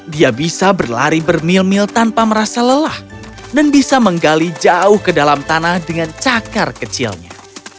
dia bisa berlari bermil mil tanpa merasa lelah dan bisa menggali jauh ke dalam tanah dengan cakar kecilnya